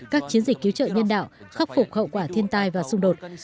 các chiến dịch cứu trợ nhân đạo khắc phục hậu quả thiên tai và xung đột